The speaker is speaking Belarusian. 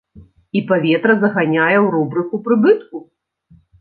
І паветра заганяе ў рубрыку прыбытку.